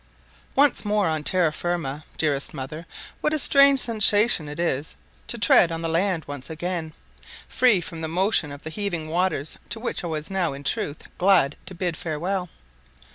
Once more on terra ferma, dearest mother: what a strange sensation it is to tread the land once again, free from the motion of the heaving waters, to which I was now, in truth, glad to bid farewell.